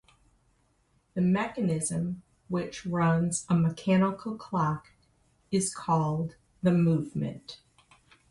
The mechanism which runs a mechanical clock is called the movement.